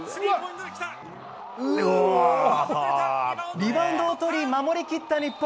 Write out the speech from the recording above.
リバウンドをとり守り切った日本。